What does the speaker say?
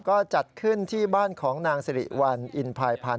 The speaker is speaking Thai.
ก็จัดขึ้นที่บ้านของนางสิริวัลอินพายพันธ